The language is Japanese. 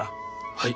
はい。